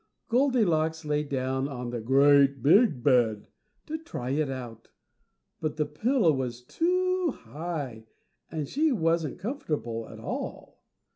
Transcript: Goldilocks lay down on the GREAT BIG BED to try it, but the pillow was too high, and she wasn't comfortable at all.